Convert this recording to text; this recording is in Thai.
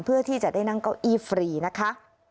เพื่อที่จะได้นั่งเก้าอี้ฟรีนะคะ